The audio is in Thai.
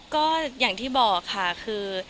ก็อย่างที่บอกค่ะคือ